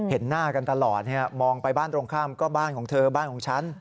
เห็นหน้ากันตลอดมองไปบ้านตรงข้ามก็บ้านของเธอบ้านของฉัน